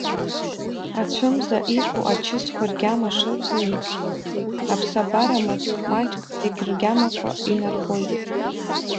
Ацәымза иқәу ачысқәа ргьама шырбо еиԥш, аԥсабара маҷк-маҷк зегь ргьамақәа инарбоит.